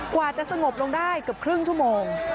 กว่าจะสงบลงได้เกือบครึ่งชั่วโมง